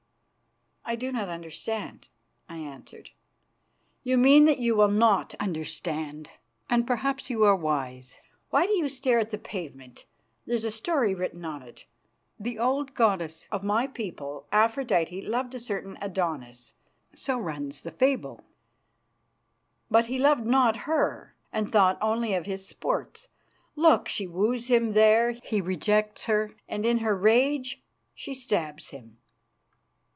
"I do not understand," I answered. "You mean that you will not understand, and perhaps you are wise. Why do you stare at that pavement? There's a story written on it. The old goddess of my people, Aphrodite, loved a certain Adonis so runs the fable but he loved not her, and thought only of his sports. Look, she woos him there, and he rejects her, and in her rage she stabs him."